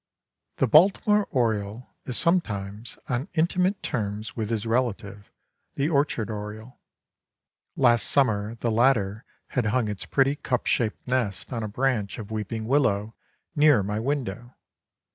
The Baltimore Oriole is sometimes on intimate terms with his relative, the Orchard Oriole. Last summer the latter had hung its pretty cup shaped nest on a branch of weeping willow near my window.